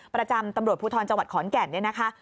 ประจำตำรวจภูทรจังหวัดขอนแก่นเนี่ยนะคะ